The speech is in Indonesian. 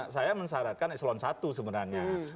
saya mensyaratkan eselon i sebenarnya